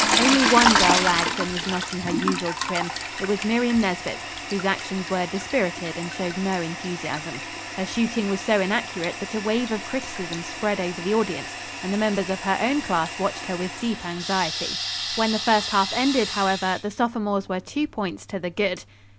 Only one girl lagged, and was not in her usual trim. It was Miriam Nesbit, whose actions were dispirited and showed no enthusiasm. Her shooting was so inaccurate that a wave of criticism spread over the audience, and the members of her own class watched her with deep anxiety. When the first half ended, however the sophomores were two points to the good.